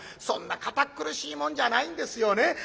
そんな堅っ苦しいもんじゃないんですよね。